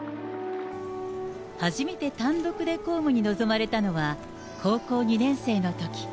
初めて単独で公務に臨まれたのは、高校２年生のとき。